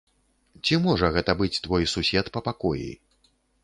Ці можа гэта быць твой сусед па пакоі?